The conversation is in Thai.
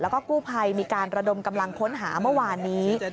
แล้วก็กู้ภัยมีการระดมกำลังค้นหาเมื่อวานนี้